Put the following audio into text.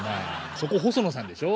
そこ細野さんでしょ。